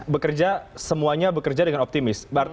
bekerja semuanya dengan optimis